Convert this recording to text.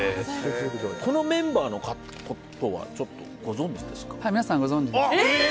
このメンバーのことはご存じですか？